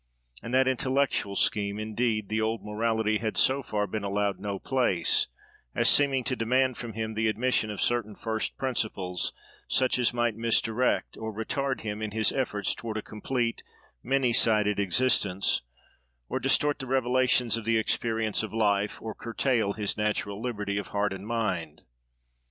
In that intellectual scheme indeed the old morality had so far been allowed no place, as seeming to demand from him the admission of certain first principles such as might misdirect or retard him in his efforts towards a complete, many sided existence; or distort the revelations of the experience of life; or curtail his natural liberty of heart and mind.